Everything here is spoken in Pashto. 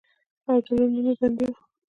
او د لور نوم يې بندۍ وۀ